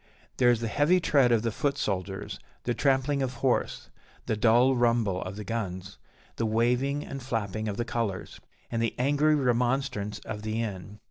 There is the heavy tread of the foot soldiers, the trampling of horse, the dull rumble of the guns, the waving and flapping of the colours, and the angry remonstrance of the Inn.